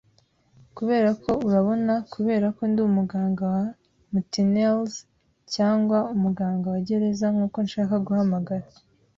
“Kuberako, urabona, kubera ko ndi umuganga wa mutineers, cyangwa umuganga wa gereza nkuko nshaka guhamagara